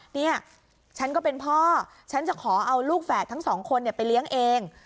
เนี่ยฉันก็เป็นพ่อฉันจะขอเอาลูกแฝดทั้งสองคนไปเลี้ยงเอง